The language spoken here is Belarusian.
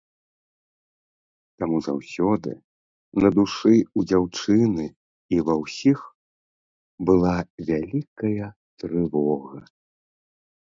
Таму заўсёды на душы ў дзяўчыны і ва ўсіх была вялікая трывога.